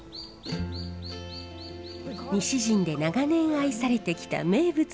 西陣で長年愛されてきた名物があります。